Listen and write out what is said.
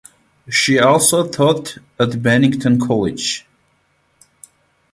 She also taught at Bennington College.